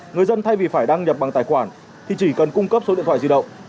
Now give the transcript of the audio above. người dân thay vì phải đăng nhập bằng tài khoản thì chỉ cần cung cấp số điện thoại di động